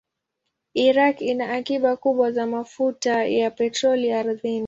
Iraq ina akiba kubwa za mafuta ya petroli ardhini.